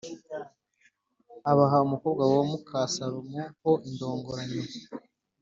abaha umukobwa we muka Salomo ho indongoranyo